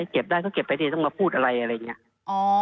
เก็บได้ก็เก็บไปดิต้องมาพูดอะไรอะไรอย่างนี้